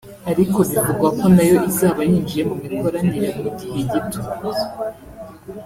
ariko bivugwa ko na yo izaba yinjiye mu mikoranire mu gihe gito